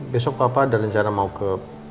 besok bapak ada rencana mau ke